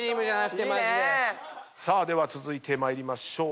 では続いて参りましょう。